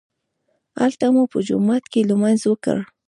هلته مو په جومات کې لمونځ وکړ.